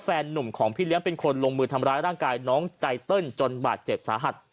นุ่มของพี่เลี้ยงเป็นคนลงมือทำร้ายร่างกายน้องไตเติลจนบาดเจ็บสาหัส